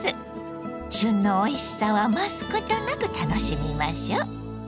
旬のおいしさを余すことなく楽しみましょ。